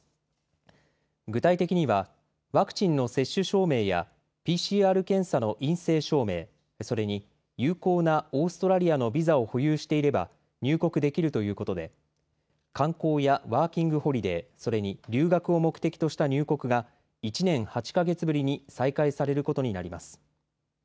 具体的にはワクチンの接種証明やＰＣＲ検査の陰性証明、それに有効なオーストラリアのビザを保有していれば入国できるということで観光やワーキングホリデー、それに留学を目的とした入国が１年８か月ぶりに再開されることになります。